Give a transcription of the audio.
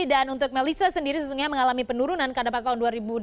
dan untuk melissa sendiri sesungguhnya mengalami penurunan karena pada tahun dua ribu enam belas